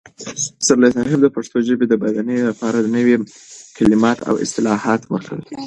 پسرلي صاحب د پښتو ژبې د بډاینې لپاره نوي کلمات او اصطلاحات وکارول.